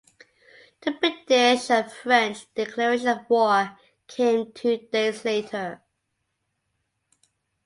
The British and French declaration of war came two days later.